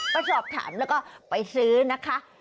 ก็สอบถามแล้วก็ไปซื้อนะคะ